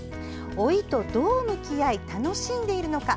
老いとどう向き合い楽しんでいるのか。